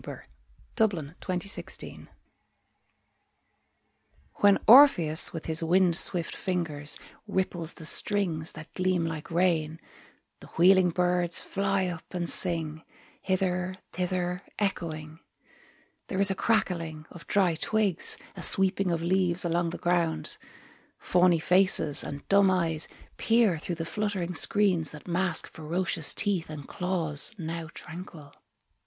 Victoria Sackville West Orpheus WHEN Orpheus with his wind swift fingers Ripples the strings that gleam like rain, The wheeling birds fly up and sing, Hither, thither echoing; There is a crackling of dry twigs, A sweeping of leaves along the ground, Fawny faces and dumb eyes Peer through the fluttering screens That mask ferocious teeth and claws Now tranquil.